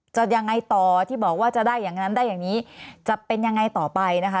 ยังไงต่อที่บอกว่าจะได้อย่างนั้นได้อย่างนี้จะเป็นยังไงต่อไปนะคะ